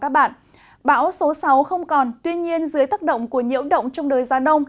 bão số sáu không còn tuy nhiên dưới tác động của nhiễu động trong đời gia đông